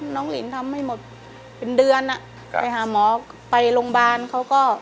ลินทำไม่หมดเป็นเดือนอ่ะไปหาหมอไปโรงพยาบาลเขาก็